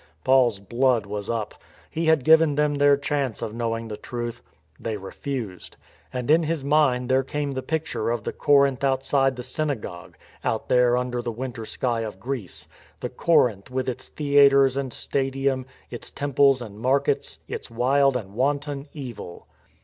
Paul's blood was up. He had given them their chance of knowing the truth. They refused. And in his mind there came the picture of the Corinth out side the synagogue — out there under the winter sky of Greece — the Corinth with its theatres and stadium, its temples and markets, its wild and wanton evil.